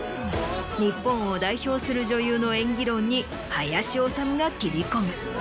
日本を代表する女優の演技論に林修が切り込む。